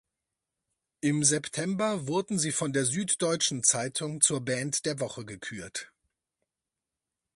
Im September wurden sie von der Süddeutschen Zeitung zur Band der Woche gekürt.